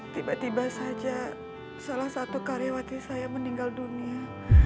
tiba tiba saja salah satu karyawati saya meninggal dunia